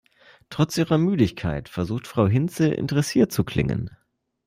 Trotz ihrer Müdigkeit versucht Frau Hinze, interessiert zu klingen.